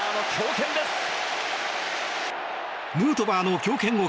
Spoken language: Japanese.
ヌートバーの強肩です。